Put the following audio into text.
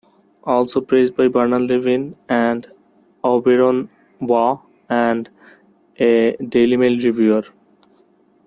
Also praised by Bernard Levin, and Auberon Waugh and a Daily Mail reviewer.